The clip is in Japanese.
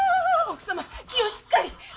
奥様気をしっかり。